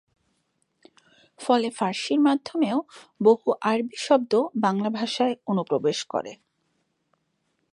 ফলে ফারসির মাধ্যমেও বহু আরবি শব্দ বাংলা ভাষায় অনুপ্রবেশ করে।